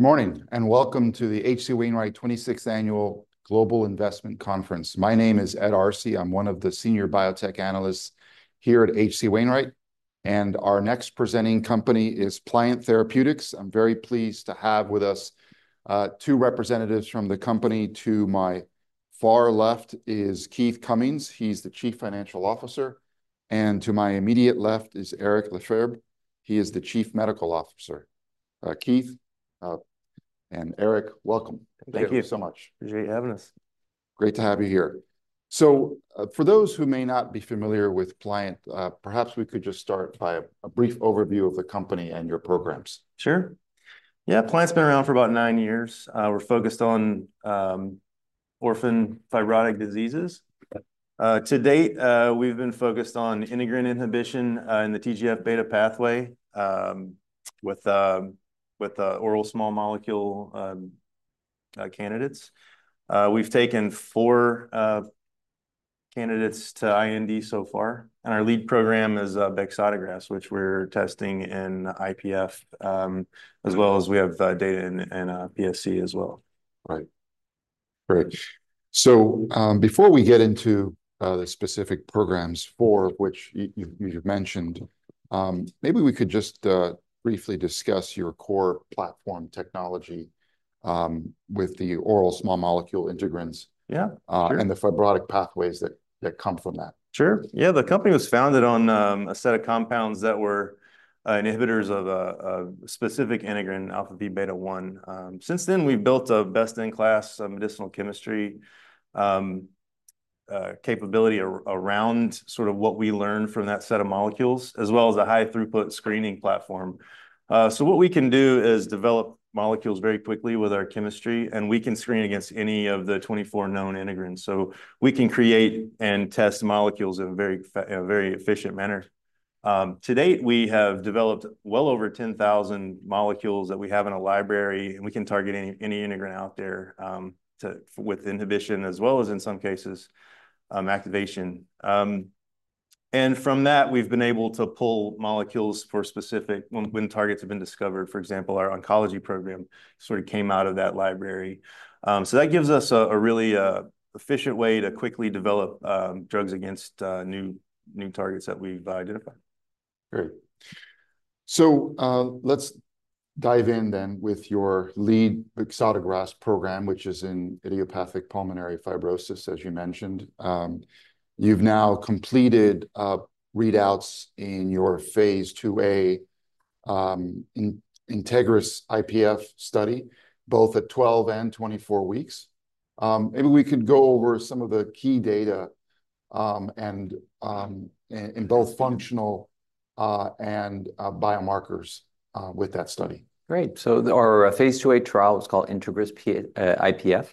Good morning, and welcome to the H.C. Wainwright 26th Annual Global Investment Conference. My name is Ed Arce. I'm one of the Senior Biotech Analyst here at H.C. Wainwright, and our next presenting company is Pliant Therapeutics. I'm very pleased to have with us two representatives from the company. To my far left is Keith Cummings. He's the Chief Financial Officer, and to my immediate left is Eric Lefebvre. He is the Chief Medical Officer. Keith and Eric, welcome. Thank you. Thank you so much. Appreciate you having us. Great to have you here. So, for those who may not be familiar with Pliant, perhaps we could just start by a brief overview of the company and your programs. Sure. Yeah, Pliant's been around for about nine years. We're focused on orphan fibrotic diseases. To date, we've been focused on integrin inhibition in the TGF-beta pathway with oral small molecule candidates. We've taken four candidates to IND so far, and our lead program is Bexotegrast, which we're testing in IPF, as well as we have data in PSC as well. Right. Great. So, before we get into the specific programs, four of which you've mentioned, maybe we could just briefly discuss your core platform technology with the oral small molecule integrins. Yeah. Sure. And the fibrotic pathways that come from that. Sure. Yeah, the company was founded on a set of compounds that were inhibitors of a specific integrin, alpha-v beta-1. Since then, we've built a best-in-class medicinal chemistry capability around sort of what we learned from that set of molecules, as well as a high-throughput screening platform. So what we can do is develop molecules very quickly with our chemistry, and we can screen against any of the 24 known integrins, so we can create and test molecules in a very efficient manner. To date, we have developed well over 10,000 molecules that we have in a library, and we can target any integrin out there to with inhibition, as well as, in some cases, activation. And from that, we've been able to pull molecules for specific, when targets have been discovered. For example, our oncology program sort of came out of that library. So that gives us a really efficient way to quickly develop drugs against new targets that we've identified. Great. So, let's dive in then with your lead Bexotegrast program, which is in idiopathic pulmonary fibrosis, as you mentioned. You've now completed readouts in your phase II-A in INTEGRIS-IPF study, both at 12 and 24 weeks. Maybe we could go over some of the key data, and in both functional and biomarkers with that study. Great. So our phase II-A trial was called INTEGRIS-IPF,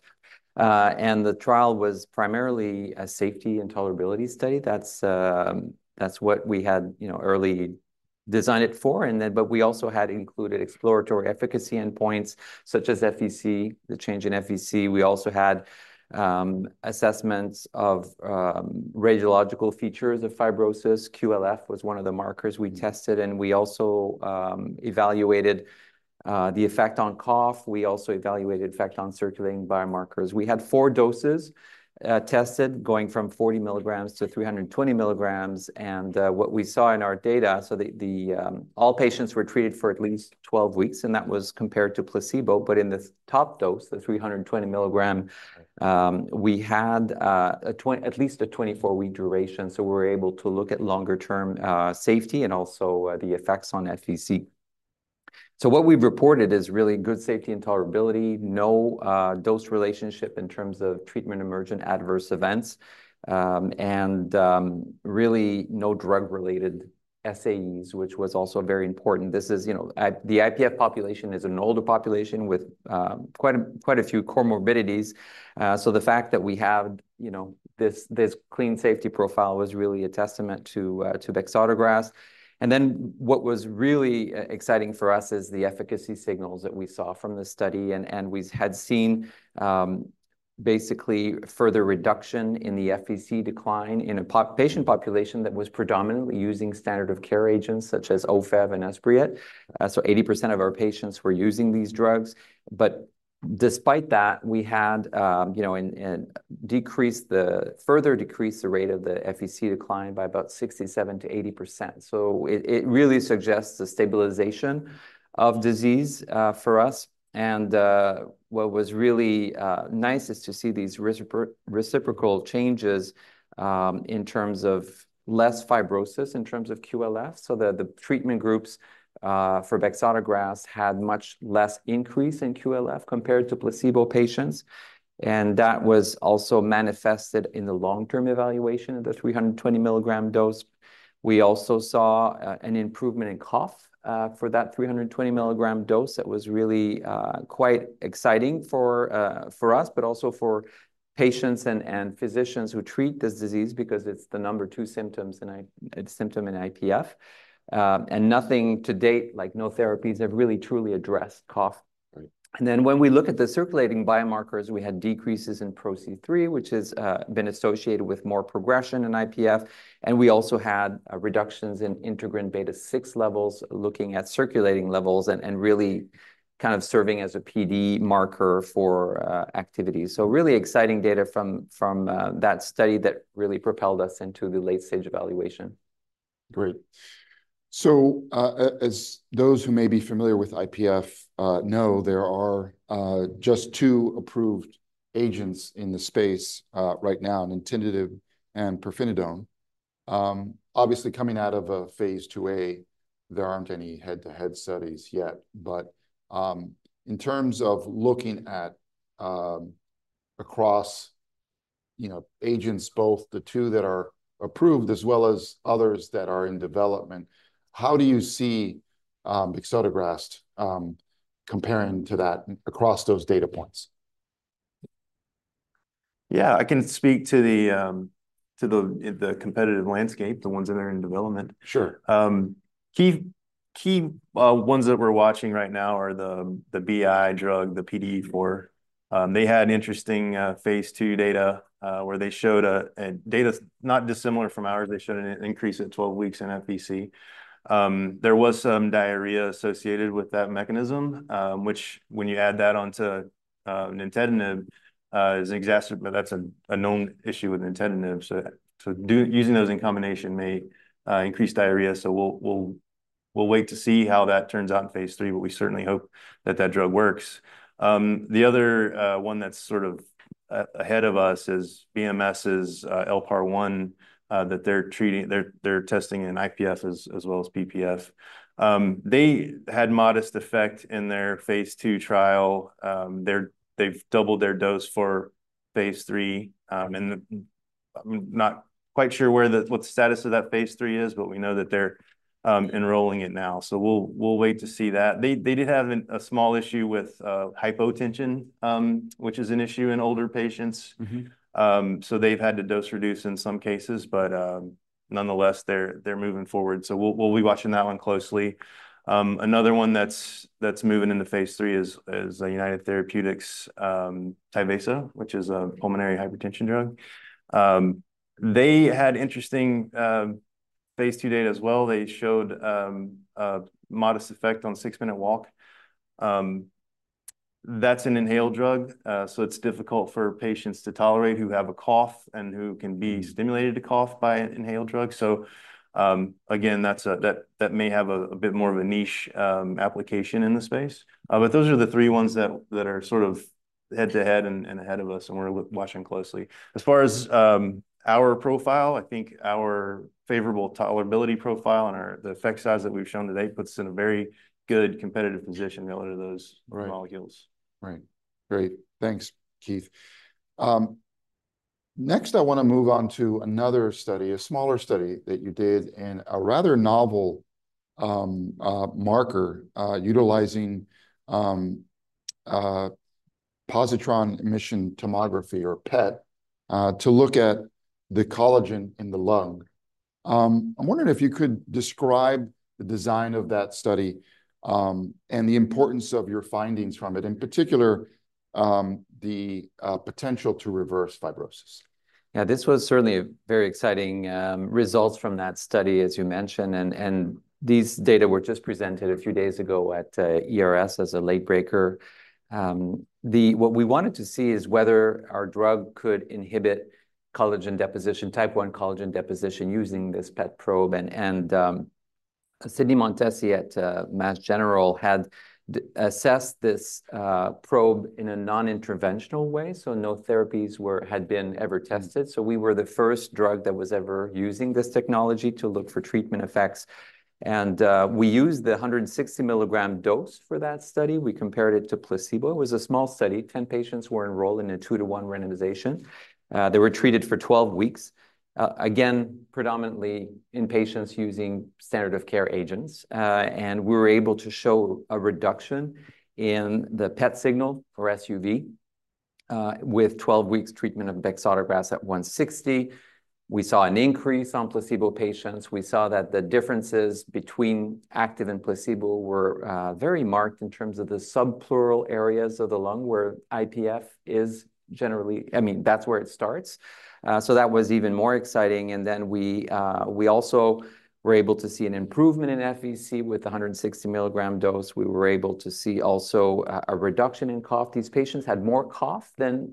and the trial was primarily a safety and tolerability study. That's what we had, you know, early designed it for, and then, but we also had included exploratory efficacy endpoints, such as FVC, the change in FVC. We also had assessments of radiological features of fibrosis. QLF was one of the markers we tested, and we also evaluated the effect on cough. We also evaluated effect on circulating biomarkers. We had four doses tested, going from 40 mg to 320 mg, and what we saw in our data, so that, patients were treated for at least 12 weeks, and that was compared to placebo, but in the top dose, the 320 mg, we had at least a 24-week duration, so we were able to look at longer-term safety and also the effects on FVC. So what we've reported is really good safety and tolerability, no dose relationship in terms of treatment emergent adverse events, and really no drug-related SAEs, which was also very important. This is, you know, the IPF population is an older population with quite a few comorbidities. So the fact that we have, you know, this clean safety profile was really a testament to Bexotegrast. And then, what was really exciting for us is the efficacy signals that we saw from this study, and we had seen basically further reduction in the FVC decline in a patient population that was predominantly using standard of care agents, such as Ofev and Esbriet. So 80% of our patients were using these drugs, but despite that, we had you know and further decreased the rate of the FVC decline by about 67%-80%. So it really suggests the stabilization of disease for us. What was really nice is to see these reciprocal changes in terms of less fibrosis, in terms of QLF, so the treatment groups for Bexotegrast had much less increase in QLF compared to placebo patients, and that was also manifested in the long-term evaluation of the 320 mg dose. We also saw an improvement in cough for that 320 mg dose. That was really quite exciting for us, but also for patients and physicians who treat this disease, because it's the number two symptom in IPF. Nothing to date, like, no therapies have really truly addressed cough. Right. And then, when we look at the circulating biomarkers, we had decreases in PRO-C3, which has been associated with more progression in IPF, and we also had reductions in integrin beta 6 levels, looking at circulating levels and really kind of serving as a PD marker for activity. So really exciting data from that study that really propelled us into the late-stage evaluation. Great. So, as those who may be familiar with IPF know, there are just two approved agents in the space right now, Nintedanib and Pirfenidone. Obviously, coming out of a phase II-A, there aren't any head-to-head studies yet, but in terms of looking at across, you know, agents, both the two that are approved as well as others that are in development, how do you see Bexotegrast comparing to that across those data points? Yeah, I can speak to the competitive landscape, the ones that are in development. Sure. Key ones that we're watching right now are the BI drug, the PDE4. They had an interesting phase II data where they showed a data not dissimilar from ours. They showed an increase at 12 weeks in FVC. There was some diarrhea associated with that mechanism, which, when you add that on to Nintedanib, is exacerbated, but that's a known issue with Nintedanib. Using those in combination may increase diarrhea. So we'll wait to see how that turns out in phase III, but we certainly hope that that drug works. The other one that's sort of ahead of us is BMS's LPAR1 that they're testing in IPF as well as PPF. They had modest effect in their phase two trial. They've doubled their dose for phase III, and I'm not quite sure what the status of that phase III is, but we know that they're enrolling it now, so we'll wait to see that. They did have a small issue with hypotension, which is an issue in older patients. Mm-hmm. They've had to dose reduce in some cases, but nonetheless, they're moving forward. We'll be watching that one closely. Another one that's moving into phase III is United Therapeutics Tyvaso, which is a pulmonary hypertension drug. They had interesting phase II data as well. They showed a modest effect on six-minute walk. That's an inhaled drug, so it's difficult for patients to tolerate who have a cough and who can be stimulated to cough by an inhaled drug. So again, that's a bit more of a niche application in the space. But those are the three ones that are sort of head-to-head and ahead of us, and we're watching closely. As far as our profile, I think our favorable tolerability profile and the effect size that we've shown today puts us in a very good competitive position relative to those molecules. Right. Great. Thanks, Keith. Next, I want to move on to another study, a smaller study that you did, and a rather novel marker utilizing positron emission tomography or PET to look at the collagen in the lung. I'm wondering if you could describe the design of that study and the importance of your findings from it, in particular, the potential to reverse fibrosis. Yeah, this was certainly a very exciting results from that study, as you mentioned, and these data were just presented a few days ago at ERS as a late breaker. What we wanted to see is whether our drug could inhibit collagen deposition, type one collagen deposition, using this PET probe, and Sydney Montesi at Mass General had assessed this probe in a non-interventional way, so no therapies had been ever tested. We were the first drug that was ever using this technology to look for treatment effects, and we used the 160 mg dose for that study. We compared it to placebo. It was a small study. 10 patients were enrolled in a two-to-one randomization. They were treated for 12 weeks, again, predominantly in patients using standard of care agents. And we were able to show a reduction in the PET signal for SUV with twelve weeks treatment of Bexotegrast at 160 mg. We saw an increase on placebo patients. We saw that the differences between active and placebo were very marked in terms of the subpleural areas of the lung, where IPF is generally. I mean, that's where it starts. So that was even more exciting. And then we also were able to see an improvement in FVC with a 160 mg dose. We were able to see also a reduction in cough. These patients had more cough than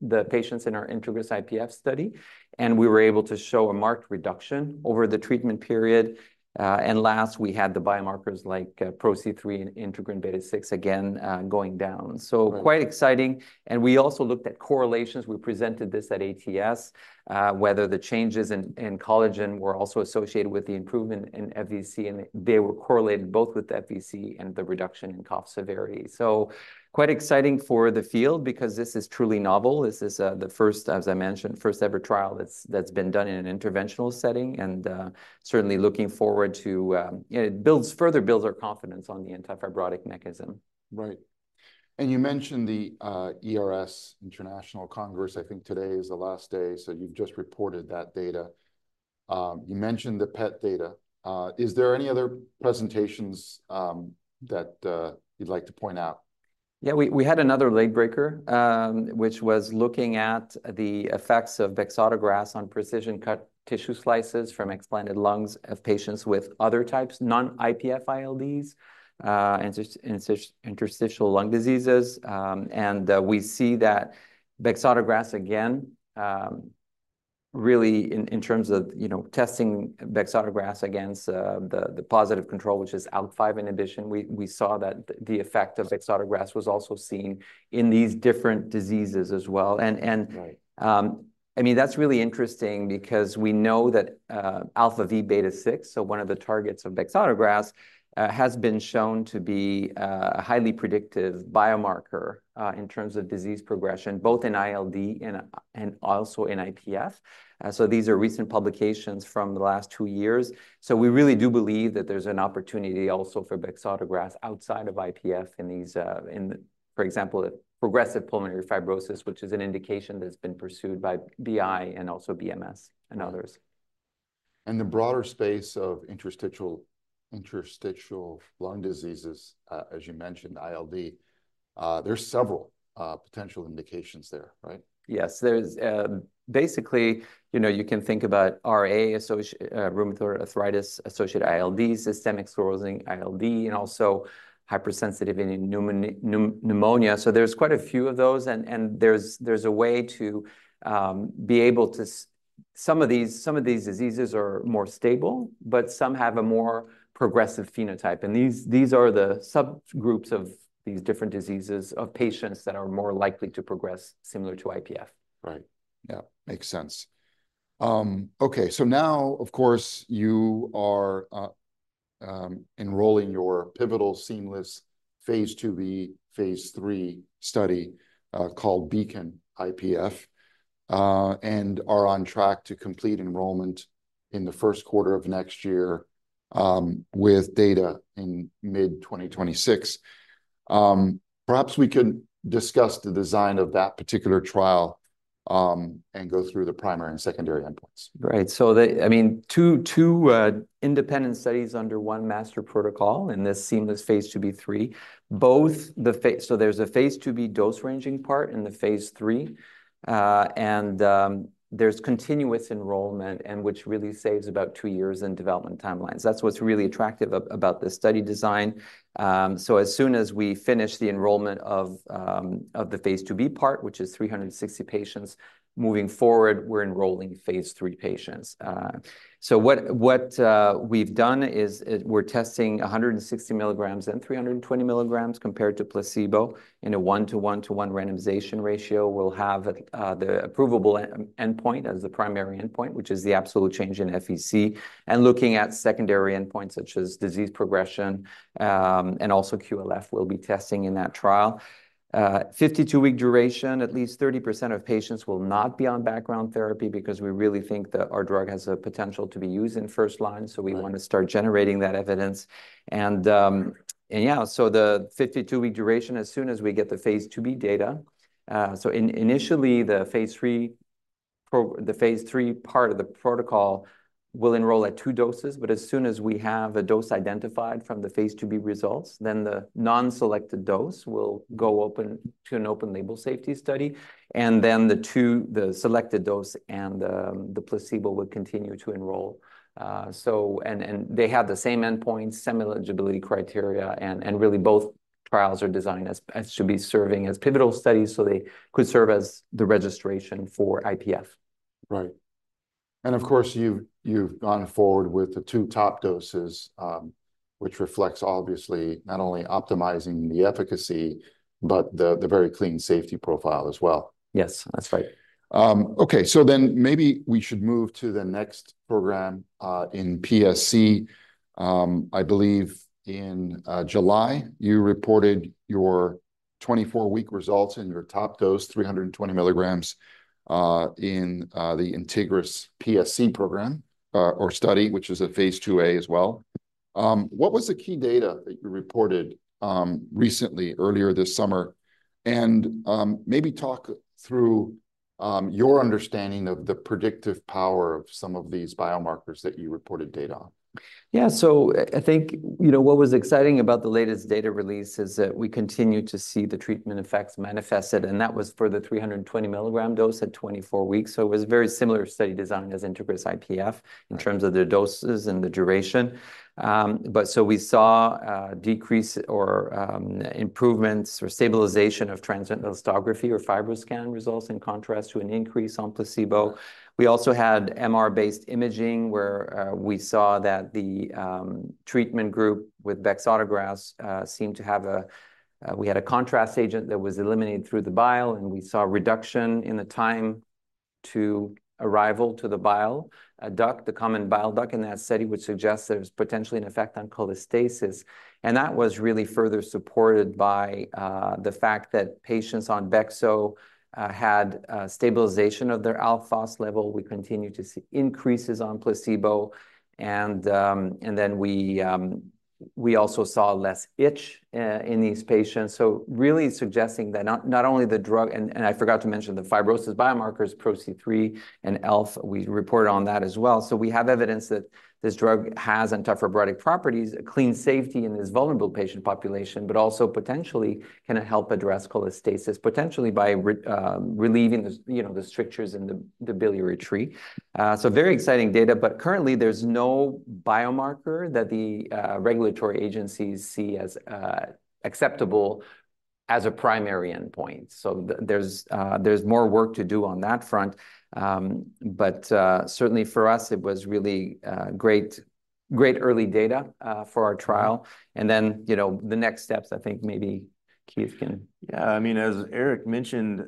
the patients in our INTEGRIS-IPF study, and we were able to show a marked reduction over the treatment period. And last, we had the biomarkers like PRO-C3 and integrin beta six again going down. Right. So quite exciting. And we also looked at correlations. We presented this at ATS whether the changes in collagen were also associated with the improvement in FVC, and they were correlated both with the FVC and the reduction in cough severity. So quite exciting for the field because this is truly novel. This is the first, as I mentioned, first ever trial that's been done in an interventional setting. And certainly looking forward to, it further builds our confidence on the antifibrotic mechanism. Right. And you mentioned the ERS International Congress. I think today is the last day, so you've just reported that data. You mentioned the PET data. Is there any other presentations that you'd like to point out? Yeah, we had another late breaker, which was looking at the effects of Bexotegrast on precision-cut tissue slices from explanted lungs of patients with other types, non-IPF ILDs, and interstitial lung diseases. We see that Bexotegrast again really in terms of, you know, testing Bexotegrast against the positive control, which is ALK5. In addition, we saw that the effect of Bexotegrast was also seen in these different diseases as well. Right. And I mean, that's really interesting because we know that alpha v beta 6, so one of the targets of bexotegrast, has been shown to be a highly predictive biomarker in terms of disease progression, both in ILD and also in IPF. So these are recent publications from the last two years. So we really do believe that there's an opportunity also for bexotegrast outside of IPF in these, for example, progressive pulmonary fibrosis, which is an indication that's been pursued by BI and also BMS and others. The broader space of interstitial lung diseases, as you mentioned, ILD, there's several potential indications there, right? Yes. There's basically, you know, you can think about rheumatoid arthritis-associated ILD, systemic sclerosis ILD, and also hypersensitivity pneumonitis. So there's quite a few of those, and there's a way to be able to. Some of these diseases are more stable, but some have a more progressive phenotype. And these are the subgroups of these different diseases of patients that are more likely to progress similar to IPF. Right. Yeah, makes sense. Okay, so now, of course, you are enrolling your pivotal seamless phase II-B/III study called BEACON-IPF, and are on track to complete enrollment in the first quarter of next year, with data in mid-2026. Perhaps we can discuss the design of that particular trial, and go through the primary and secondary endpoints. Right. So they, I mean, two independent studies under one master protocol in this seamless phase II-B/III. Both, so there's a phase II-B dose ranging part and the phase III. And there's continuous enrollment, and which really saves about two years in development timelines. That's what's really attractive about this study design. So as soon as we finish the enrollment of the phase II-B part, which is 360 patients, moving forward, we're enrolling phase III patients. So we've done is we're testing 160 mg and 320 mg compared to placebo in a one-to-one-to-one randomization ratio. We'll have the approvable endpoint as the primary endpoint, which is the absolute change in FVC, and looking at secondary endpoints such as disease progression, and also QLF, we'll be testing in that trial. 52-week duration, at least 30% of patients will not be on background therapy because we really think that our drug has the potential to be used in first line. Right. So we want to start generating that evidence. And so the 52-week duration, as soon as we get the phase II-B data. So initially, the phase III part of the protocol will enroll at two doses, but as soon as we have a dose identified from the phase II-B results, then the non-selected dose will go open to an open-label safety study. And then the two, the selected dose and the placebo will continue to enroll. So and they have the same endpoints, same eligibility criteria, and really, both trials are designed as to be serving as pivotal studies, so they could serve as the registration for IPF. Right. And of course, you've gone forward with the two top doses, which reflects obviously not only optimizing the efficacy, but the very clean safety profile as well. Yes, that's right. Okay, so then maybe we should move to the next program in PSC. I believe in July, you reported your 24-week results in your top dose, 320 mg in the INTEGRIS-PSC program or study, which is a phase II-A as well. What was the key data that you reported recently, earlier this summer? And maybe talk through your understanding of the predictive power of some of these biomarkers that you reported data on. Yeah, so I think, you know, what was exciting about the latest data release is that we continue to see the treatment effects manifested, and that was for the 320 mf dose at 24 weeks. So it was a very similar study design as INTEGRIS-IPF. Right In terms of the doses and the duration. But so we saw decrease or improvements or stabilization of transient elastography or FibroScan results, in contrast to an increase on placebo. We also had MR-based imaging, where we saw that the treatment group with bexotegrast we had a contrast agent that was eliminated through the bile, and we saw a reduction in the time to arrival to the bile duct, the common bile duct, in that study, which suggests there's potentially an effect on cholestasis. And that was really further supported by the fact that patients on bexo had stabilization of their ELF level. We continue to see increases on placebo, and then we also saw less itch in these patients. So really suggesting that not, not only the drug and, and I forgot to mention the fibrosis biomarkers, PRO-C3 and ELF, we reported on that as well. So we have evidence that this drug has anti-fibrotic properties, a clean safety in this vulnerable patient population, but also potentially can help address cholestasis, potentially by relieving the, you know, the strictures in the, the biliary tree. So very exciting data, but currently there's no biomarker that the regulatory agencies see as acceptable as a primary endpoint. So there's, there's more work to do on that front. But certainly for us, it was really great, great early data for our trial, and then, you know, the next steps, I think, maybe Keith can. Yeah, I mean, as Eric mentioned,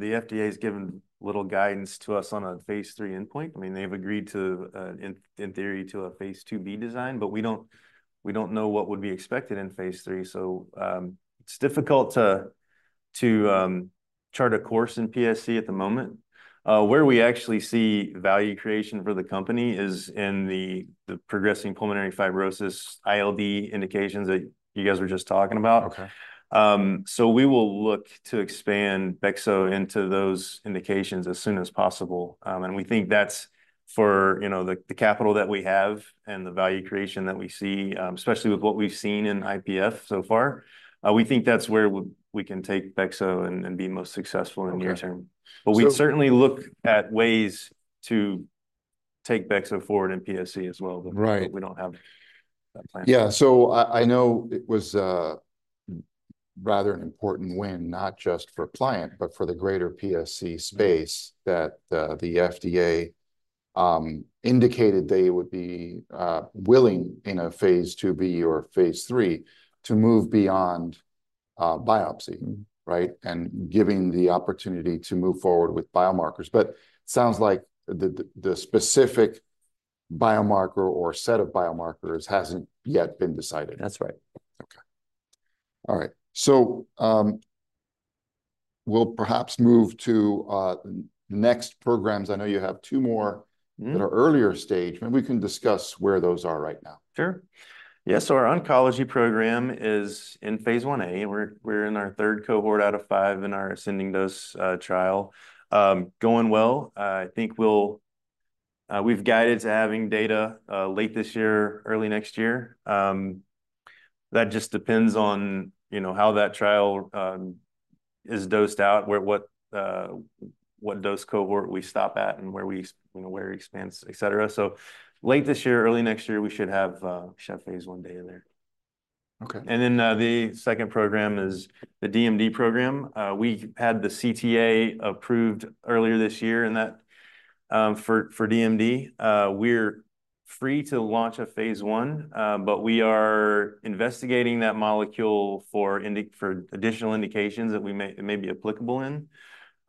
the FDA's given little guidance to us on a phase III endpoint. I mean, they've agreed to, in theory, to a phase II-B design, but we don't know what would be expected in phase III, so, it's difficult to chart a course in PSC at the moment. Where we actually see value creation for the company is in the progressive pulmonary fibrosis, ILD indications that you guys were just talking about. Okay. So we will look to expand Bexotegrast into those indications as soon as possible. And we think that's for, you know, the capital that we have and the value creation that we see, especially with what we've seen in IPF so far. We think that's where we can take Bexotegrast and be most successful in the near term. Okay. So. But we'd certainly look at ways to take Bexotegrast forward in PSC as well. Right. But we don't have that plan. Yeah, so I know it was rather an important win, not just for Pliant, but for the greater PSC space, that the FDA indicated they would be willing, in a phase II-B or phase III, to move beyond biopsy. Mm. Right? And giving the opportunity to move forward with biomarkers. But sounds like the specific biomarker or set of biomarkers hasn't yet been decided. That's right. Okay. All right. So, we'll perhaps move to next programs. I know you have two more. Mm That are earlier stage. Maybe we can discuss where those are right now. Sure. Yeah, so our oncology program is in phase I. We're in our third cohort out of five in our ascending dose trial. Going well. I think we'll, we've guided to having data late this year, early next year. That just depends on, you know, how that trial is dosed out, where, what, what dose cohort we stop at, and where we, you know, where we expand, et cetera. Late this year, early next year, we should have phase 1 data there. Okay. And then, the second program is the DMD program. We had the CTA approved earlier this year, and that for DMD. We're free to launch a phase 1, but we are investigating that molecule for additional indications that it may be applicable in.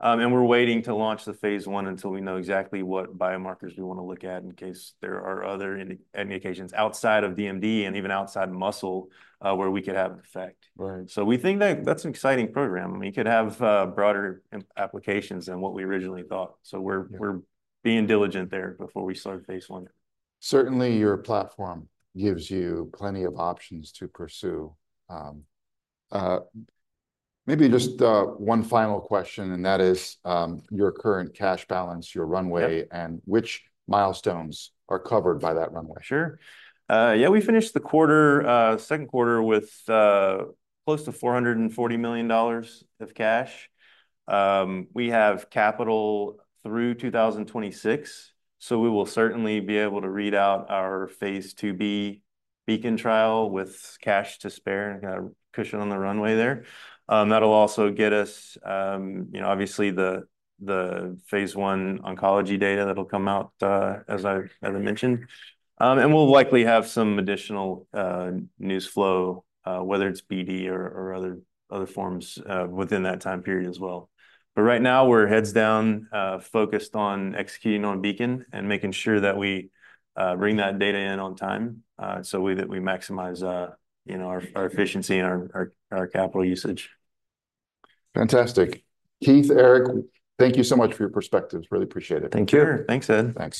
And we're waiting to launch the phase 1 until we know exactly what biomarkers we wanna look at, in case there are other indications outside of DMD and even outside muscle, where we could have an effect. Right. So we think that that's an exciting program. I mean, it could have broader applications than what we originally thought. So we're being diligent there before we start phase I. Certainly, your platform gives you plenty of options to pursue. Maybe just one final question, and that is your current cash balance, your runway and which milestones are covered by that runway? Sure. Yeah, we finished the quarter, second quarter with close to $440 million of cash. We have capital through 2026, so we will certainly be able to read out our phase II-B BEACON trial with cash to spare, cushion on the runway there. That'll also get us, you know, obviously, the phase I oncology data that'll come out, as I mentioned. And we'll likely have some additional news flow, whether it's BD or other forms, within that time period as well. But right now, we're heads down, focused on executing on BEACON and making sure that we bring that data in on time, so that we maximize, you know, our efficiency and our capital usage. Fantastic. Keith, Eric, thank you so much for your perspectives. Really appreciate it. Thank you. Sure. Thanks, Ed. Thanks.